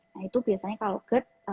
nah itu biasanya kalau gerd